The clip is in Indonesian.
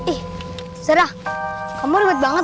eh sarah kamu ribet banget